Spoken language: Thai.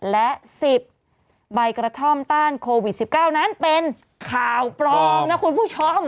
และ๑๐ใบกระท่อมต้านโควิด๑๙นั้นเป็นข่าวปลอมนะคุณผู้ชม